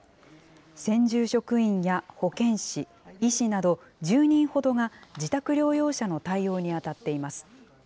専従職員や保健師、医師など、１０人ほどが自宅療養者の対応に当たっています。